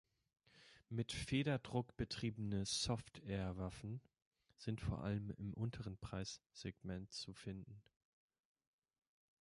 Mit Federdruck betriebene Softairwaffen sind vor allem im unteren Preissegment zu finden.